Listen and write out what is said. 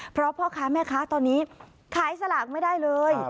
เพราะพ่อค้าแม่ค้าตอนนี้ขายสลากไม่ได้เลย